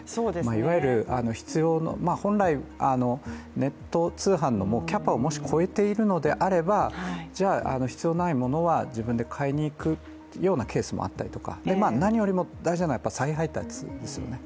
いわゆる本来、ネット通販のキャパをもし超えているのであればじゃあ、必要ないものは自分で買いに行くようなケースもあったりとか何よりも大事なのは再配達ですよね。